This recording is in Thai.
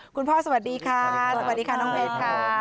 สวัสดีค่ะสวัสดีค่ะน้องเพชรค่ะ